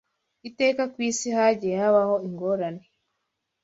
Iteka ku isi hagiye habaho ingorane